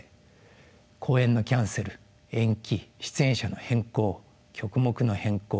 公演のキャンセル延期出演者の変更曲目の変更